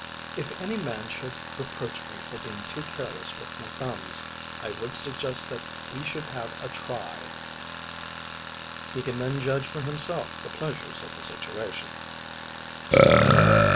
If any man should reproach me for being too careless with my thumbs, I would suggest that he should have a try: he can then judge for himself the pleasures of the situation.